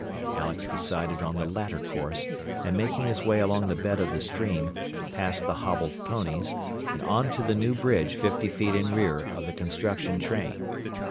Alex decided on the latter course, and making his way along the bed of the stream, passed the hobbled ponies, and on to the new bridge fifty feet in rear of the construction train.